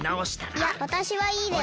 いやわたしはいいです。